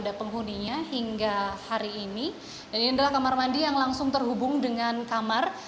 dan ini adalah kamar mandi yang langsung terhubung dengan kamar